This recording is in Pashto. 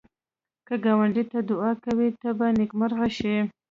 که ګاونډي ته دعایې کوې، ته به نېکمرغه شې